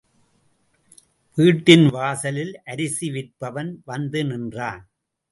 வீட்டின் வாசலில் அரிசி விற்பவன் வந்து நின்றான்.